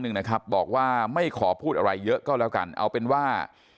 หนึ่งนะครับบอกว่าไม่ขอพูดอะไรเยอะก็แล้วกันเอาเป็นว่า